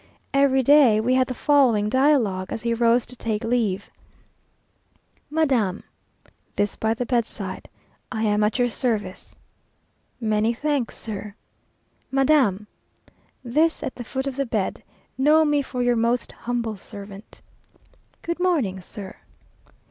Every day we had the following dialogue, as he rose to take leave: "Madam!" (this by the bedside) "I am at your service." "Many thanks, sir." "Madam!" (this at the foot of the bed) "know me for your most humble servant." "Good morning, sir."